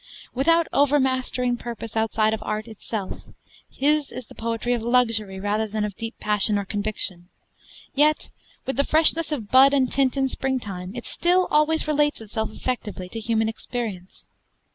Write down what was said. Without overmastering purpose outside of art itself, his is the poetry of luxury rather than of deep passion or conviction; yet, with the freshness of bud and tint in springtime, it still always relates itself effectively to human experience.